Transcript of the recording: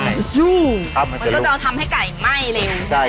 มันก็จะทำให้ไก่ไหม้เลย